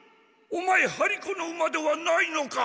オマエ張り子の馬ではないのか！